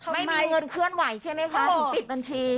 ไม่มีเงินเคลื่อนไหวใช่ไหมคะถึงปิดบัญชี